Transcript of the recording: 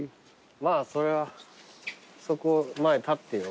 まぁそれはそこ前立ってよ。